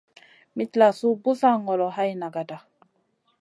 Mitlasou busa ŋolo hay nagata.